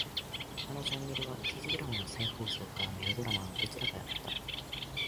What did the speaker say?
他のチャンネルは刑事ドラマの再放送かメロドラマ。どちらかだった。